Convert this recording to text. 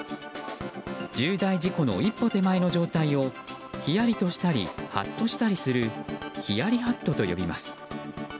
重大事故の一歩手前の状態をヒヤリとしたりハッとしたりするヒヤリ・ハットと呼びます。